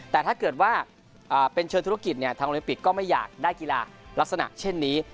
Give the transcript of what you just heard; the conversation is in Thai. แต่ถ้าเกิดว่าเป็นเชิงธุรกิจทางโอลิมปิกก็ไม่อยากได้กีฬาลักษณะเช่นนี้